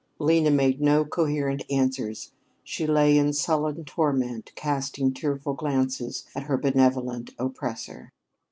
Lena made no coherent answers. She lay in sullen torment, casting tearful glances at her benevolent oppressor.